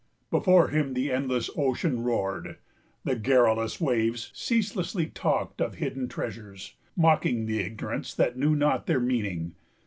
Before him the endless ocean roared. The garrulous waves ceaselessly talked of hidden treasures, mocking the ignorance that knew not their meaning.